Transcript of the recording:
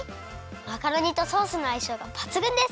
マカロニとソースのあいしょうがばつぐんです！